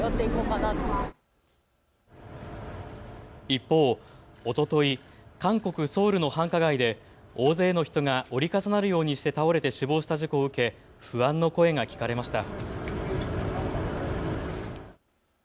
一方、おととい韓国・ソウルの繁華街で大勢の人が折り重なるようにして倒れて死亡した事故を受け不安の声が聞かれました。